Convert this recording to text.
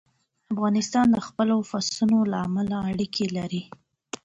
افغانستان د خپلو پسونو له امله اړیکې لري.